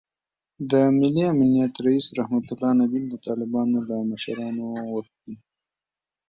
د ملي امنیت رییس رحمتالله نبیل د طالبانو له مشرانو غوښتي